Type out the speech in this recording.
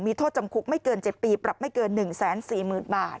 มีโทษจำคุกไม่เกินเจ็บปีปรับไม่เกินหนึ่งแสนสี่หมื่นบาท